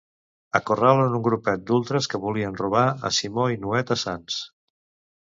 Acorralen un grupet d'ultres que volien robar a Simó i Nuet a Sants.